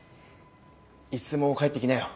いつでも帰ってきなよ。